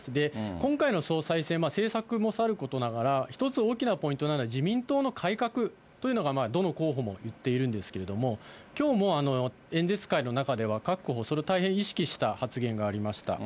今回の総裁選、政策もさることながら、一つ大きなポイントなのは、自民党の改革というのは、どの候補も言っているんですけれども、きょうも演説会の中では各候補、大変意識した発言がありました。